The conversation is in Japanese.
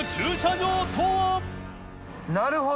なるほど！